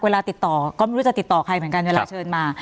เวลาติดต่อก็ไม่รู้จะติดต่อใครเหมือนกันเวลาเชิญมา